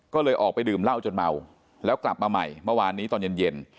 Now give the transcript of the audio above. ก็เลยออกไปดื่มเหล้าจนเมาแล้วกลับมาใหม่เมื่อวานนี้ตอนเย็น